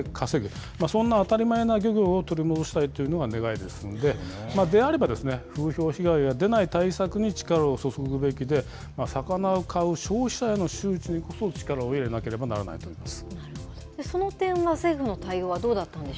後継者も育てなきゃいけませんので、事故前と同じように自力で稼ぐ、そんな当たり前な漁業を取り戻したいというのが願いですんで、であれば、風評被害が出ない対策に力を注ぐべきで、魚を買う消費者への周知にこそ、力を入れなければならないと思います。